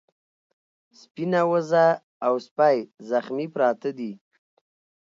سپينه وزه او سپی زخمي پراته دي.